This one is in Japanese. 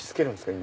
今。